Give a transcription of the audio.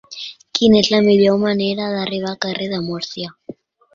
Quina és la millor manera d'arribar al carrer de Múrcia?